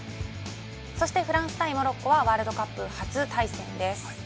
そしてフランス対モロッコはワールドカップ初対戦です。